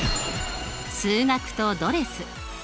数学とドレス。